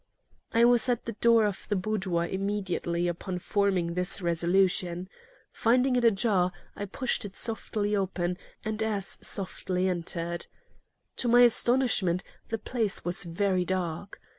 I was at the door of the boudoir immediately upon forming this resolution. Finding it ajar, I pushed it softly open, and as softly entered. To my astonishment, the place was very dark.